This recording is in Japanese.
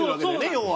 要は。